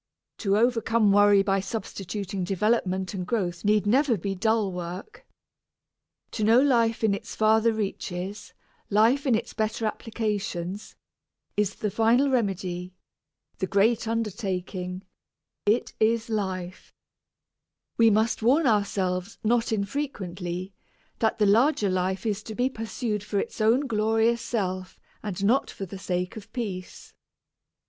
To overcome worry by substituting development and growth need never be dull work. To know life in its farther reaches, life in its better applications, is the final remedy the great undertaking it is life. We must warn ourselves, not infrequently, that the larger life is to be pursued for its own glorious self and not for the sake of peace.